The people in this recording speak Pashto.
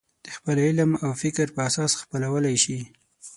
د خپل علم او فکر په اساس خپلولی شي.